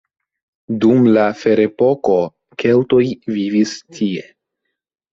Dum la ferepoko keltoj vivis tie.